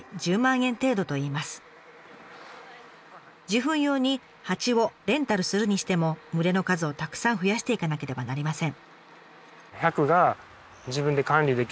受粉用に蜂をレンタルするにしても群れの数をたくさん増やしていかなければなりません。